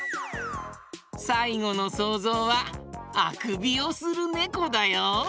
さいごのそうぞうはあくびをするねこだよ。